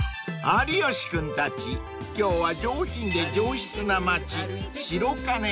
［有吉君たち今日は上品で上質な町白金へ］